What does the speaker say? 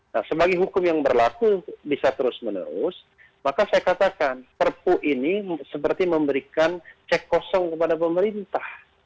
nah sebagai hukum yang berlaku bisa terus menerus maka saya katakan perpu ini seperti memberikan cek kosong kepada pemerintah